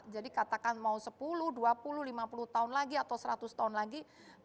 jadi katakan mau sepuluh dua puluh lima puluh tahun lagi atau seratus tahun lagi